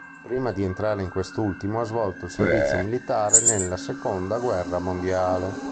Prima di entrare in quest'ultimo ha svolto il servizio militare nella seconda guerra mondiale.